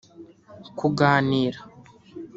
kuganira